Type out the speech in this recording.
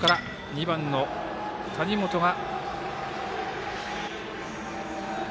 ２番の谷本が。